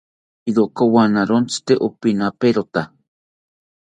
Iroka owanawontzi tee opinaperota